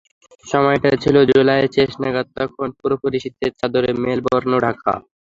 সময়টা ছিল জুলাইয়ের শেষ নাগাদ, তখন পুরোপুরি শীতের চাঁদরে মেলবোর্ন ঢাকা।